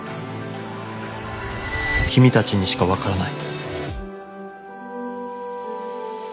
「君たちにしかわからない」。